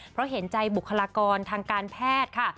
เพราะเห็นใจบุคลากรทางการแพทย์ค่ะ